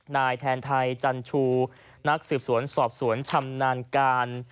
นายแทนไทยจันชูนักสืบสวนสอบสวนชำนาญการ